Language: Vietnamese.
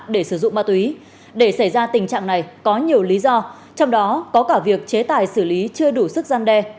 để xảy ra tình trạng này có nhiều lý do trong đó có cả việc chế tài xử lý chưa đủ sức gian đe